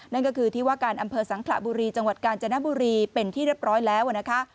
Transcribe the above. นั่นก็คือที่ว่าการอำเภอสังขระบุรีจังหวัดกาญจนบุรีเป็นที่เรียบร้อยแล้วนะคะ